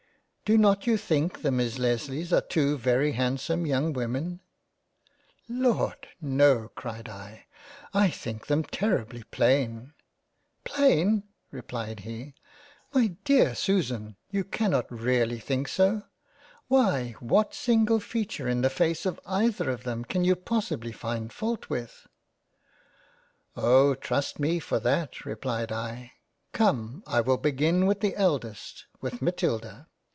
Do not you think the Miss Lesleys are two very handsome young Women ?"" Lord ! No ! (cried I) I think them terribly plain !"" Plain ! (replied He) My dear Susan, you cannot really think so ! Why what single Feature in the face of either of them, can you possibly find fault with ?"" Oh ! trust me for that ; (replied I). Come I will begin with the eldest— with Matilda.